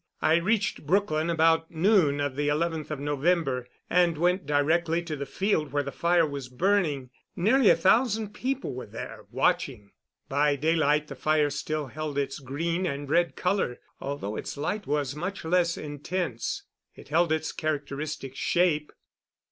I reached Brookline about noon of the 11th of November, and went directly to the field where the fire was burning. Nearly a thousand people were there, watching. By daylight the fire still held its green and red color, although its light was much less intense. It held its characteristic shape.